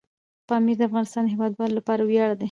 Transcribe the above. پامیر د افغانستان د هیوادوالو لپاره ویاړ دی.